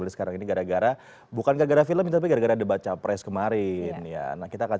sekarang ini gara gara bukan gara gara film tapi gara gara debat capres kemarin ya nah kita akan